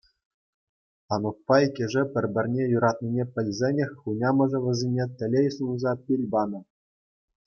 Анукпа иккӗше пӗр-пӗрне юратнине пӗлсенех, хунямӑшӗ вӗсене телей сунса пил панӑ.